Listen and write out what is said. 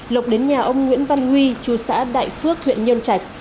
lộc đến nhà ông nguyễn văn huy chú xã đại phước huyện nhân trạch